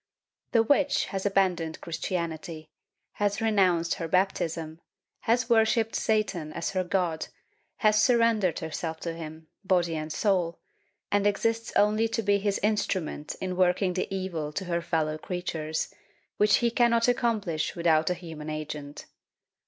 The witch has abandoned Christianity, has renounced her baptism, has worshipped Satan as her God, has surrendered herself to him, body and soul, and exists only to be his instrument in working the evil to her fellow creatures, which he cannot accom plish without a human agent.